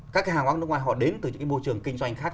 các hàng hóa nước ngoài họ đến từ những môi trường kinh doanh khác